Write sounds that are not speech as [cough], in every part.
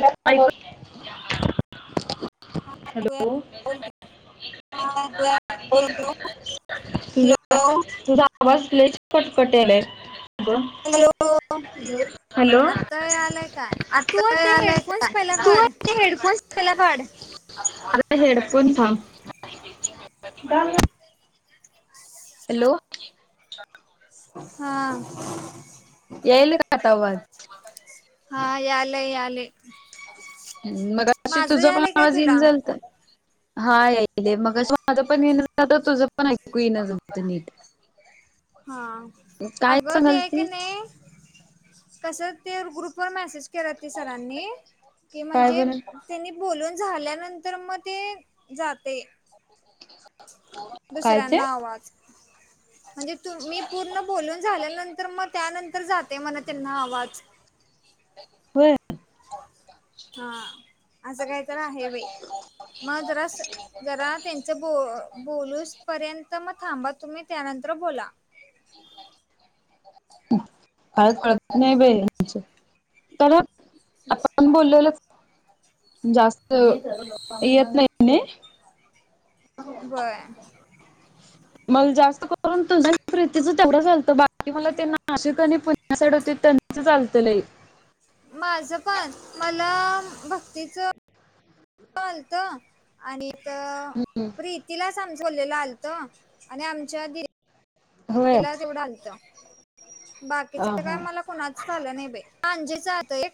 अ [unintelligible] हा र [unintelligible] ह बोलत [unintelligible] तुझा आवाज लईच कटकट यात लागलाय. हॅलो हॅलो, आता यालाय काय तू आता ते यालाय हेडफोन्स का? पहिला तू काढ हेडफोन्स पहिला घाल, अग ते हेडफोन थांब हॅलो. हा. यायलाय का आता आवाज? हा याले याले मगाशी तुझपण यालय काय आवाज तुला येईन झालत. हा यालय मगाशी माझं पण येईना झालत तुझं पण ऐकू येईना झालत नीट हा काय अगं ते सांगाल आहे का तीस नाही कस ते ग्रुपवर मेसेज केल्याती सरांनी की काय म्हणजे बनल त्यांनी बोलून झाल्यानंतर मग ते जाते. दुसऱ्यांना आवाज म्हणजे तू मी पूर्ण बोलून झाल्यानंतर मग त्यानंतर जाते म्हण त्यांना आवाज होय? हा असं काय तर आहे बाई मग जरास जरा त्यां च बोलूस पर्यंत मग थांबा तुम्ही त्यानंतर बोला. काय कळत नाही बाई यांच, डायरेक्ट आपण बोललेलच जास्त येत नाही नी. व्हय. मग जास्त करून तुझ प्रीतीच तेवढंच आलत बाकी मला ते नाशिक आणि होते त्यांचच आलत लई. माझ पण मला भक्तीच आलत. आणि त प्रीतीला समजवलेलं आलत आणि आमच्या दि होय. तिला तेवढं आलत अ बाकीच काय हा मला कुणाच आलं नाही बाई आंजिच आलत एक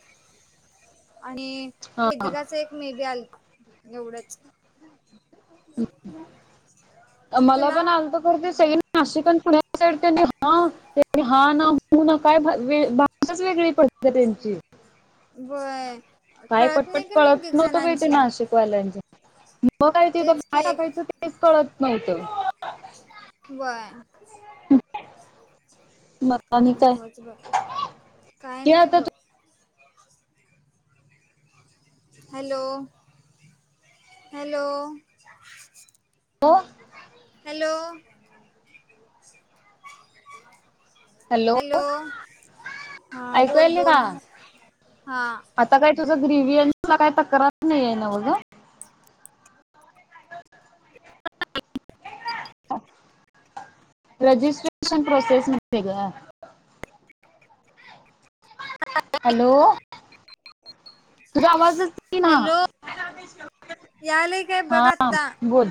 आणि हा वेदिकाच एक मे बी आल एवढंच मला तुला पण आलत सई नाशिक पुण्या साईड ते ह [unintelligible] ते हा ना हो ना काय भाषाच वेगळी पडते त्यांची. वय काय कळत पटपट नाही का नाही कळत एक एक नव्हतं बाई ते जणांची नाशिक मग काय तिथं थ तेच काय टाकायचं तेच कळत नव्हतं. व्हय. मग काय आणि नव्हच बघ, काय ते नाही आता बघ. Hello, hello. हो. हॅलो. हॅलो हा ऐकू बोल यायलय बोल का? हा! आता काही तुझं ग्रीवियन ला काय तक्रार नही हे नव्ह ग. रजिस्ट्रेशन प्रोसेस मध्ये गं. हॅलो तुझा आवाजच यीना हॅलो यालय काय बघ हा बोल.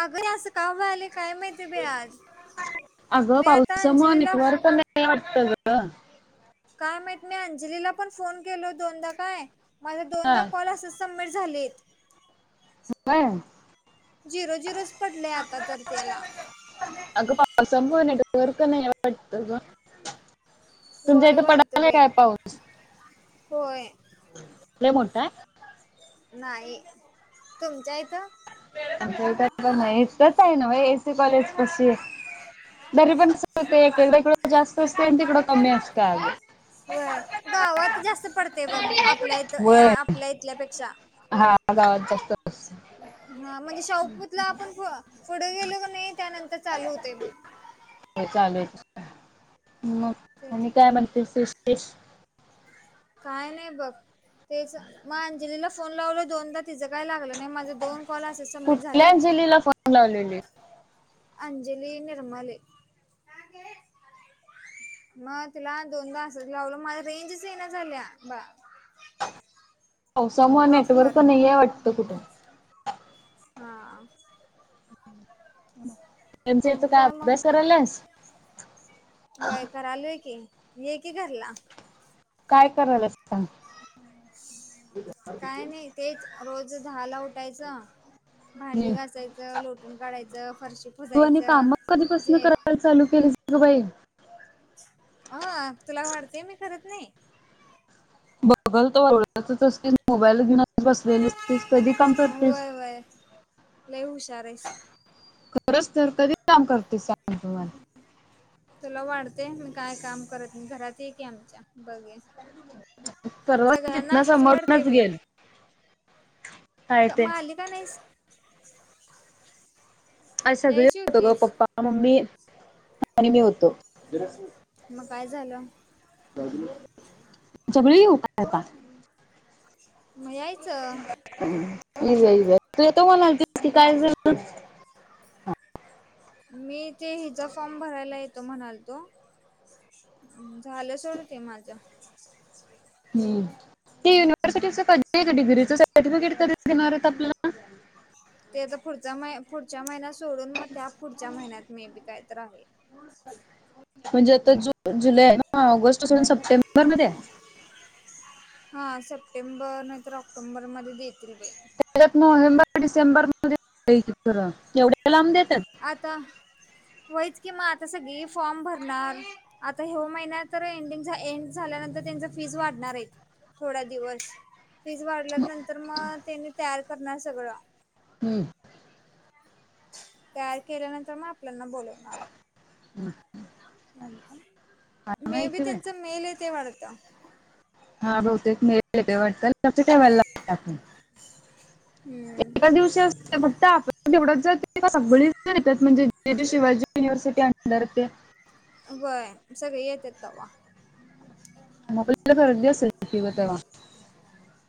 आगं हे असं का व्हालय काय माहिती बई आज, अगं मी आता पावसामुळे अंजली ला [unintelligible] वाटतं गं. काय माहित मी अंजलीला पण फोन केलो दोनदा काय माझ दोनदा हा कॉल असस सबमिट झालेत. होय. झिरो झिरोच पडलय आता तर त्याला. अगं माझं पण नेटवर्क नाहीये वाटतं गं. तुमच्या वय इथं वाढतं पडालाय बाई काय पाऊस? होय! लय मोठा हाय? नाही तुमच्या इथं? आमच्या इथ पण नाही इथच आहे नव्ह ए एस सी कॉलेज पशी. तरी पण चालतंय एक एकदा हिकडं जास्त असतय आणि तिकडं कमी असतंय अग. व्हय गावात जास्त पडतय बघ आपल्या इथ या वय आपल्या इथल्यापेक्षा. हा गावात जास्त अस हा म्हणजे शाहु पुतला आपण फ पुढे गेलो क नाही त्यानंतर चालू होते बघ. हे चालू [unintelligible] मग तेच आणि काय म्हणते सृष्टी काय नाही बघ. तेच म अंजलीला फोन लावलो दोनदा तिचं काय लागलं नाही माझा दोन कॉल असेस कुठल्या अंजलीला फोन लावलेली. अंजली निर्मले. म तिला दोनदा असच लावलं मला रेंजच येईना झाल्या बा‌. पावसामुळ प्रॉपर नेटवर्क नहीये वाटतं कुठ. हा! त्यांचा आणि काय म अभ्यास करायल्यास? व्हय करालोय की. ये की घरला‌. काय कराल्यास सांग. काय नाही तेच रोज दहाला उठायचं भांडी हम्म. घासायचं, लोटून काढायचं, फरशी तू आणि फुसायचं काम जे. [unintelligible] चालू केल. अगं बाई! अ तुला वाटतय मी करत नही. बघल तवा लोळतच असतीस, मोबाईल घेऊना बसलेली असतीस, कधी काम करतीस? लयी हुशार आहेस. खरंच तर कधी काम करती सांग मं मला. तुला वाटतेय मी काय काम करत नही, घरात ये की आमच्या बघ ये. परवा सगळ्यांना तिथनं असच वाटतयं समोरनच बई. गेल काय क म ते आली का नहीस? आज सगळी यायची होतो गं होतीस पप्पा, मम्मी आणि मी होतो. म काय झालं? सगळी येऊ काय आता? मग यायचं. येऊया येऊया तू येतो म्हणालतीस काय झालं? मी ते हिचा फॉर्म भरायला येतो म्हणालतो. झालं सोड ते माझं. हम्म ते युनिव्हर्सिटीच कधी [unintelligible] गं डिग्रीच सर्टिफिकेट कधी देणार आहेत आपल्याला? ते तर पुढचा म पुढच्या महिन्यात सोडून मग त्या पुढच्या महिन्यात मे बी काय तर आहे. म्हणजे आता जून, जुलै हे ना ऑगस्ट सोडून सप्टेंबर मध्ये हा सप्टेंबर नाय तर ऑक्टोबरमध्ये देतील बाई परत नोव्हेंबर डिसेंबर मध्ये [unintelligible] येवढ्या लांब देतात. आता व्हयच कि मग आता सगळी फॉर्म भरणार. आता ह्यो महिन्या तर एंडिंग झा एंड झाल्यानंतर त्यांच फीज वाढणार हायत. थोड्या दिवस फीज वाढल्या नंतर मग त्यांनी तयार करणार सगळं हम्म. तयार केल्यानंतर मग आपल्याना बोलवणार. [inaudible] [unintelligible] मे बी माहिती बाई. त्यांच मेल येतंय वाढतं. हा बहुतेक मेल येतोय वाटतं लक्ष्य ठेवायला लागतंय आपण. एका हम्म दिवशी असतय बग आप तेवढंच जात सगळी जण येतात म्हणजे जे जे शिवाजी युनिव्हर्सिटी अंडर ते व्हय सगळे येतेत तवा. मग [unintelligible] गर्दी असेल [unintelligible] तेवा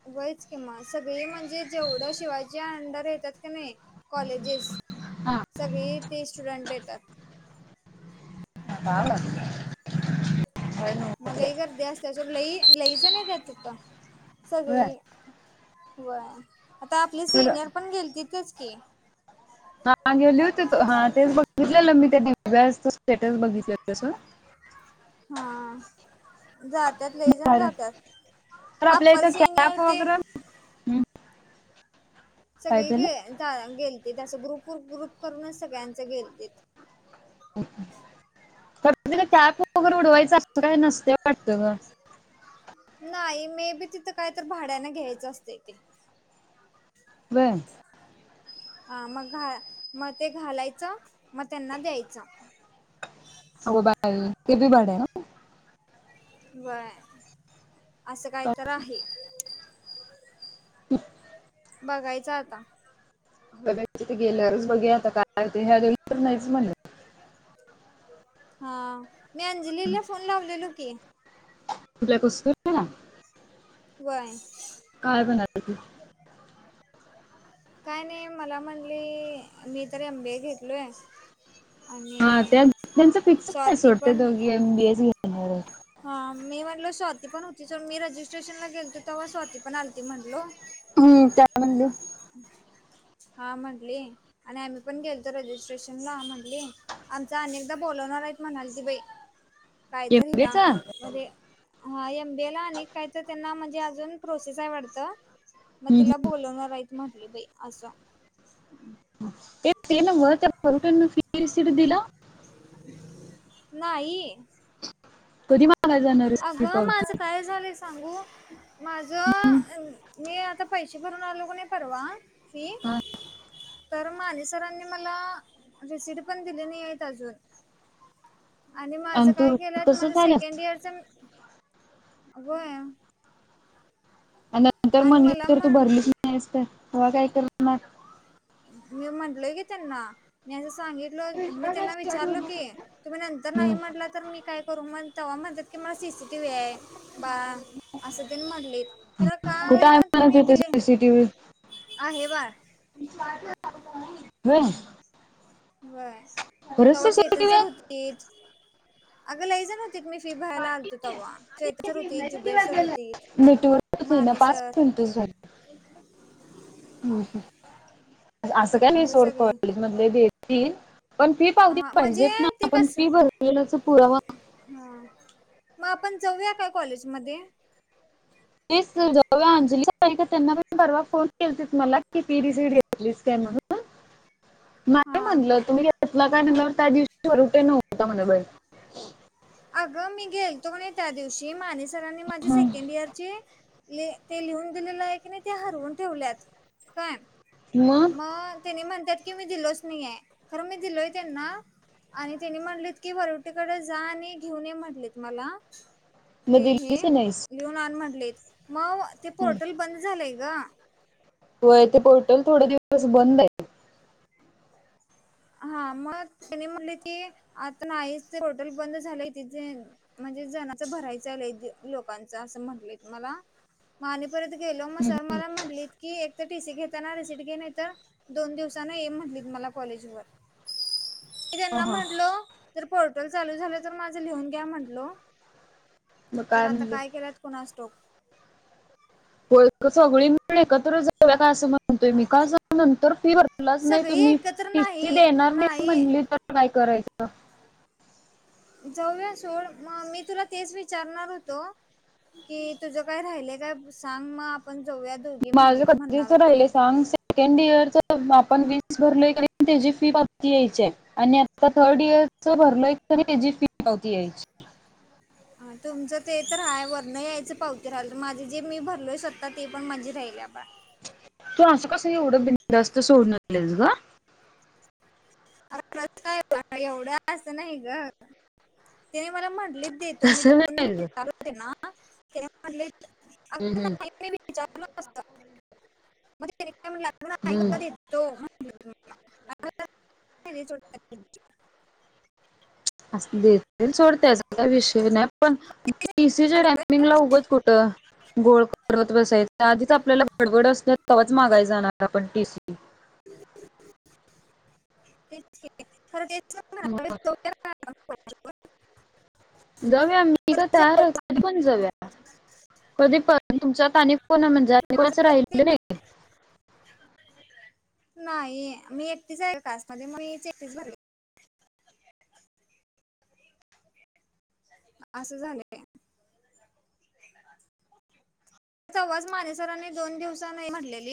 व्हयचं कि मग सगळे म्हणजे जेवढं शिवाजी अंडर येतात क नाय. कॉलेजेस हा. सगळी ते स्टुडंट येतात. [inaudible] मग लई गर्दी असत्या सोड लई लई जण येतात तिथं होय. सगळी व्हय आता आपले सिनियर हा पण गेलतेतच की हा गेली होती हा तेच बघितलेलं मी त्या दिव्यास स्टेटस बघितलं [unintelligible] हा जात. त्यात लय जण बरं जातात आपल सिनियर ते हम्म. सगळी गे जा गेलते ते असं ग्रुप वर ग्रुप करूनच सगळ्यांचं गेलत. खरं तिथं कॅप वगैरे उडवायचं असं काय नसतय वाटतं ग. नाई मे बी तिथं काय तर भाड्याने घ्यायचं असतय ते. बर. हा मग घा मग ते घालायचं मग त्यांना द्यायचं. अगो बाय ते बी भाड्यान व्हय असं काय तर आहे. [inaudible] बघायच आता. डब्याचा तिथे गेल्यावरच बघुया, आता काय तेे ह्या दोघी तर नाहीच म्हणल्या. हा मी अंजलीला फोन लावलेलो की. आपल्या कुस्कर वय. काय बनाती तू? काय नाही मला म्हणली मी तर एम बी ए घेतलोय. हा त्या आणि त्यांच फिक्सच आहे स्वाती सोड त्या पण दोघी एम बी ए च घेणार आहेत. हा मी म्हटलो स्वाती पण होती सर मी रजिस्ट्रेशनला गेलतो तव्हा स्वाती पण आलती म्हटलो. हम्म त्या म्हणल हा म्हंटली, आणि आम्ही पण गेलतो रजिस्ट्रेशनला म्हंटली. आमचं अनेकदा बोलवणार आहेत म्हणालती बाई कायतरी हिला एमबीएचा अरे हा एम बी ए ला आणि एक काहीतर त्यांना म्हणजे अजून प्रोसेस आहे वाटतं. मग तिला बोलवणार आहेत म्हटली बाई असं. ते नव्ह त्या [unintelligible] कडनं किती रिसीट दिल. नाही. तु [unintelligible] अगं माझं काय झालंय सांगू माझं मी आता पैसे भरून आलो क नाही परवा कि हा? तर माने सरांनी मला रिसिट पण दिली नाही आहेत अजून. आणि माझं काय तू केल्यात तसं माझं झाल्यास सेकंड इयरच... होय. आणि नंतर आणि म्हणली मला तर तू म्हण भरलीच नाहीस तरं, तवा काय करणार? मी म्हटलंय की त्यांना मी असं सांगी तलो मी त्यांना विचारलो की तुम्ही नंतर नाही हम्म. म्हटला तर मी काय करू मग, तव्हा म्हणतात की मला सी सी टी व्ही आहे बाळं. असं त्याने म्हटलेत खरं कुठं आहे का म्हणत तिने होते दिले सीसीटीव्ही आहे बाळं. होय. होय खरंच तवा चेतन सीसीटीव्ही सर आहे होतीत, अगं लई जण हो तीत मी फी भरायला आलतो तवा, चेतन सर होतीत, जुबेर सर होतीत माने सर तुझं हम्म हम् असं काय नाही असे सोड सगळे कॉलेज मधले देतील पण फी पावती हा म्हणजे पाहिजेत ना आपण फी भरलेलाचा पुरावा हा मग आपण जाऊया काय कॉलेज मध्ये? प्लीज जाऊया अंजली त्यांना पण परवा फोन केलतीत मला कि फी रिसीट घेतलीस काय म्हणून. [inaudible] नाही हां म्हटलं, तुम्ही घेतला काय म्हणल्यावर त्या दिवशी वरुठे नव्हता म्हण बाई. अगं मी गेलतो क नाही त्या दिवशी माने सरांनी माझी हं, सेकंड इयरची ले ते लिहून दिलेलं आहे की नाही ते हरवून ठेवल्यात काय मग. मग त्यांनी म्हणत्यात की मी दिलोच नाहीे आहे, खरं मी दिलोय त्यांना. आणि त्यांनी म्हणलेत की वरुटेकडे जा आणि घेऊन ये म्हटलेत मला मग ते हे दिल्लीच नाहीस लिहून आण म्हटलेत मग ते हं. पोर्टल बंद झालंय गं. होय ते पोर्टल थोडे दिवस बंद आहे. हा मग त्यानी म्हटले ते आता नाहीच पोर्टल बंद झाले तिथे म्हणजे जनाच भरायचयं लय लोकांचा असं म्हटलेत मला. म आणि परत गेलो मग हं, सर मला म्हटलीत की एक तर टी सी घेताना रिसिट घे नाहीतर दोन दिवसानं ये म्हटलीत मला कॉलेजवर. मी त्यांना हं. म्हटलो जर पोर्टल चालू झालं तर माझं लिहून घ्या म्हटलो मग तर आता म्हणले काय केल्यात कुणास ठाऊक. होय सगळी मिळून एकत्र जाऊया का असं म्हणतोय मी का सांग नंतर फी भरलाच नाही सगळी तुम्ही एकत्र टी सी नाही देणार नाही म्हणली तर काय करायचं? जाऊया सोड मग मी तुला तेच विचारणार होतो. कि तुझं काय राहिलय काय सांग मग आपण जाऊया दोघ माझं कधीच राहिलं सांग सेकंड इयर च आपण वीस भरलोय का नी त्याची फी बाकी यायचीय. आणि आता थर्ड इयरच भरलय का नी त्याची फी पावती यायची. आ ह तुमचं ते तर आहे वरण यायचं पावती राहिल तर माझे जे मी भरलोय स्वत ते पण माझी राहीलिय पाहा. तू असं कसं एवढं बिनधास्त सोडून दिलयस ग? अ एवढं असं नाही ग त्याने मला म्हटली देतो मी तसं दोन नाही ग [unintelligible] ना तेव्हा म्हणले हम्म हम्म [unintelligible] नसता मंग त्यांनी काय म्हणाला हम्म तो [unintelligible] [unintelligible] असू दे सोड तेचा काही विषय नाही पण टी सीच्या म्हटले टयमिंग ला उगाच कुठं घोळ करवत बसायच. आधीच आपल्याला गडबड असत्या मागायचं अन आपण टी सी. तेच की खरं तेच न [unintelligible] जाऊया मी तर कधी तयार जाऊ? आहे कधी पण जाऊया कधी पण तुमच्यात आणि कोणा म्हणजेचं [unintelligible] माझं ते राहिलं नाही. नाही मी एकटीच आहे कास्ट मधी मी एकटीच भर असं झालंय. तवाच मानेसरांनी दोन दिवसनी नाही म्हटलेली.